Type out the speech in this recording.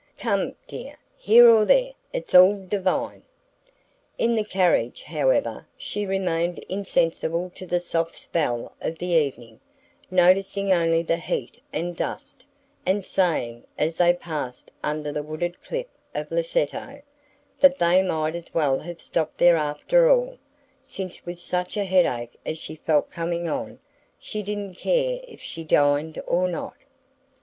"Come, dear here or there it's all divine!" In the carriage, however, she remained insensible to the soft spell of the evening, noticing only the heat and dust, and saying, as they passed under the wooded cliff of Lecceto, that they might as well have stopped there after all, since with such a headache as she felt coming on she didn't care if she dined or not.